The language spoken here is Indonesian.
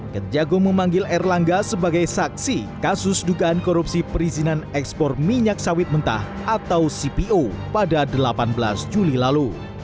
kejagung memanggil erlangga sebagai saksi kasus dugaan korupsi perizinan ekspor minyak sawit mentah atau cpo pada delapan belas juli lalu